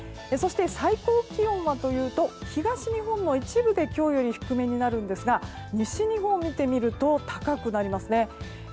そして、最高気温はというと東日本の一部で今日より低めになるんですが西日本を見てみると高くなりますね。